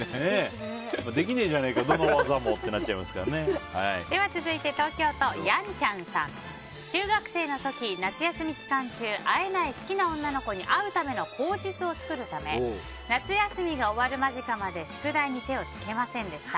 できねえじゃねえか続いて、東京都の方。中学生の時、夏休み期間中会えない好きな女の子に会うための口実を作るため夏休みが終わる間近まで宿題に手を付けませんでした。